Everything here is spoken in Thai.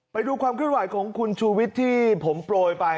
ไปดูความคิดว่ายของคุณชุวิตที่ผมโปรยไป